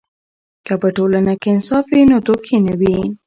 که په ټولنه کې انصاف وي، نو دوکې نه وي.